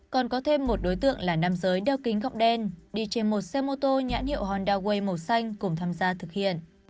còn có thêm một đối tượng là nam giới đeo kính gốc đen đi trên một xe mô tô nhãn hiệu honda way màu xanh cùng tham gia thực hiện